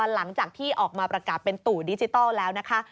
หลังจากที่ออกมาประกาศเป็นตู่ดิจิทัลแล้วนะคะ